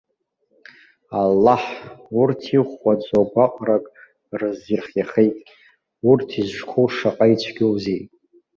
Аллаҳ, урҭ иӷәӷәаӡоу гәаҟрак рызирыхиахьеит. Урҭ изҿқәоу шаҟа ицәгьоузеи!